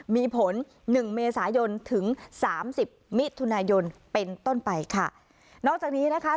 มีผลหนึ่งเมษายนถึงสามสิบมิถุนายนเป็นต้นไปค่ะนอกจากนี้นะคะ